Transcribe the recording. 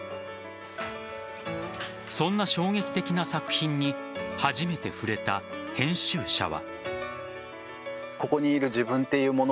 その衝撃的な作品に初めて触れた編集者は。